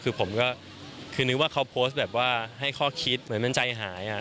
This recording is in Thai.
คือผมก็คือนึกว่าเขาโพสต์แบบว่าให้ข้อคิดเหมือนมันใจหาย